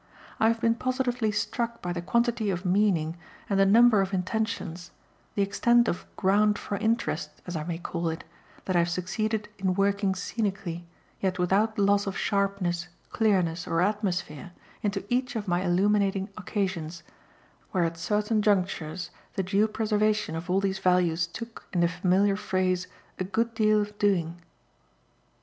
I have been positively struck by the quantity of meaning and the number of intentions, the extent of GROUND FOR INTEREST, as I may call it, that I have succeeded in working scenically, yet without loss of sharpness, clearness or "atmosphere," into each of my illuminating occasions where, at certain junctures, the due preservation of all these values took, in the familiar phrase, a good deal of doing.